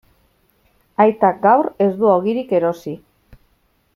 Aitak gaur ez du ogirik erosi.